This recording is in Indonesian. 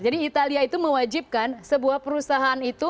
italia itu mewajibkan sebuah perusahaan itu